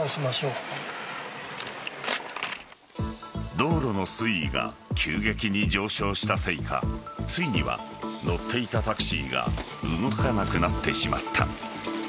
道路の水位が急激に上昇したせいかついには乗っていたタクシーが動かなくなってしまった。